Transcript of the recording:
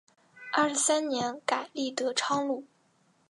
二十三年改隶德昌路。